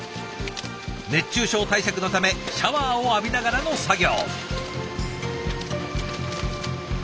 熱中症対策のためシャワーを浴びながらの作業。